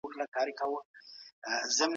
اقتصاد د سوداګرۍ او مالي چارو څېړنه کوي.